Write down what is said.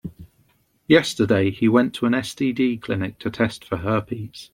Yesterday, he went to an STD clinic to test for herpes.